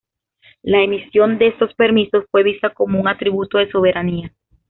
La emisión de estos permisos fue vista como un atributo de soberanía.